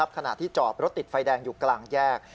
ขณะที่จอดรถติดไฟแดงอยู่กลางแยก